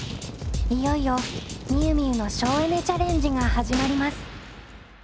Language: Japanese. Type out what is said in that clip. いよいよみゆみゆの省エネ・チャレンジが始まります。